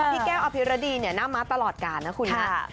พี่แก้วอภิรดีน่ามาตลอดกาลนะคุณ